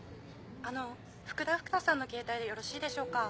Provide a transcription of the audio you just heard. あの福田福多さんのケータイでよろしいでしょうか？